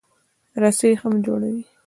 رسۍ هم جوړوي.